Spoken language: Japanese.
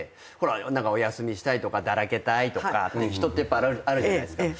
お休みしたいとかだらけたいって人ってあるじゃないですか。